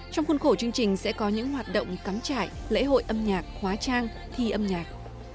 trong khuôn khổ chương trình sẽ có những hoạt động cắm trải lễ hội âm nhạc hóa trang thi âm nhạc